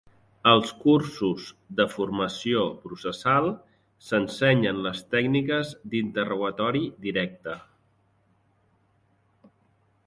Als cursos de formació processal, s'ensenyen les tècniques d'interrogatori directe.